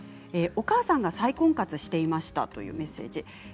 お母さんが再婚活をしていましたというメッセージです。